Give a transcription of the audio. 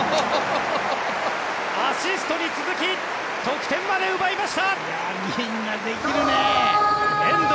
アシストに続き得点まで奪いました！